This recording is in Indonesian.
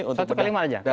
satu kalimat saja